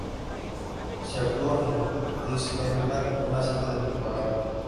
Sí actuó en "This England", una cinta de propaganda.